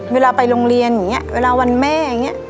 เวลาไปโรงเรียนเวลาวันแม่อย่างนี้